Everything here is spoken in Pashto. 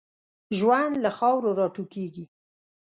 ژوند له خاورو را ټوکېږي.